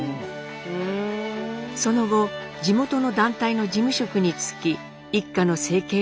その後地元の団体の事務職に就き一家の生計を立て直します。